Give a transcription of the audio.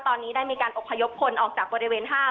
ตอนนี้ได้มีการอบพยพคนออกจากบริเวณห้าง